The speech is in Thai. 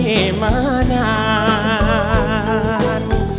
สอนรักมาปากลาน